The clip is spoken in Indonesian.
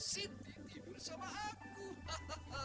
siti tidur sama aku